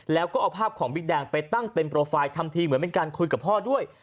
แล้วก็เอาภาพของบิ๊กแดงไปตั้งเป็นโปรไฟล์ทำทีเหมือนเป็นการคุยกับพ่อด้วย